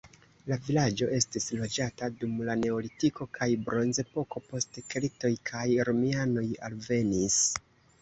La vilaĝo estis loĝata dum la neolitiko kaj bronzepoko, poste keltoj kaj romianoj alvenis.